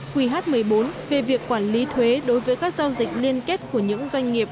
quy hát một mươi bốn về việc quản lý thuế đối với các giao dịch liên kết của những doanh nghiệp